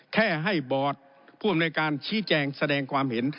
แค่ให้บอร์ดผู้อำนวยการชี้แจงแสดงความเห็น